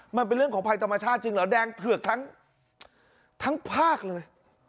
มันเป็นเรื่องของภัยธรรมชาติจริงเหรอแดงเถือกทั้งภาคเลย